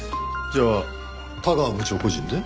じゃあ田川部長個人で？